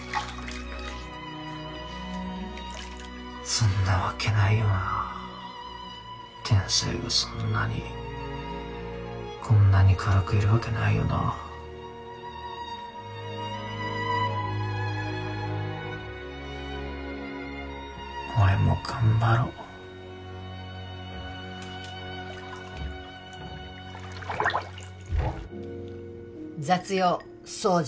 そんなわけないよな天才がそんなにこんなに軽くいるわけないよな俺も頑張ろ雑用掃除